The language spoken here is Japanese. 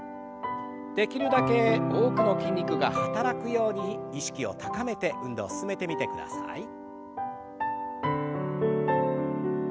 できるだけ多くの筋肉が働くように意識を高めて運動を進めてみてください。